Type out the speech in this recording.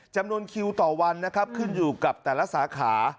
จำนวนคิวต่อวันนะครับขึ้นอยู่กับแต่ละสาขา